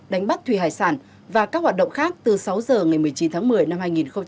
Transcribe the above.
đánh bắt thủy hải sản và các hoạt động khác từ sáu giờ ngày một mươi chín tháng một mươi năm hai nghìn một mươi chín